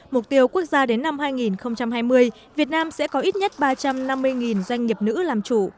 mục tiêu quốc gia đến năm hai nghìn hai mươi việt nam sẽ có ít nhất ba trăm năm mươi doanh nghiệp nữ làm chủ